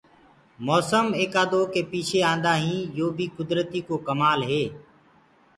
موسم ايڪآ دوڪي پ ميٚڇي آندآ هينٚ يو بي ڪُدرتي ڪو ڪمآل هي۔